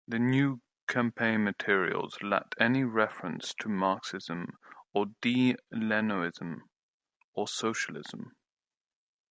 The new campaign materials lacked any reference to Marxism or DeLeonism, or socialism.